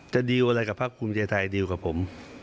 ดีลอะไรกับพักภูมิใจไทยดีลกับผม